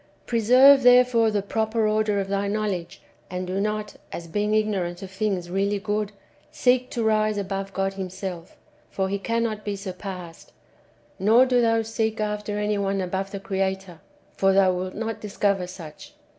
Preserve therefore the proper order of thy knowledge, and do not, as being ignorant of things really good, seek to rise above God Himself, for He cannot be surpassed ; nor do thou seek after any one above the Creator, for thou wilt not discover such.